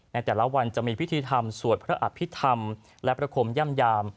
ในแต่ละวันจะมีพิธีธรรมสวดพระอภิษฐรรมและประคมย่ำยาม